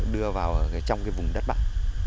đưa vào trong cái vùng đất bãi